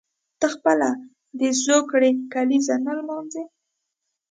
ته خپله د زوکړې کلیزه نه لمانځي.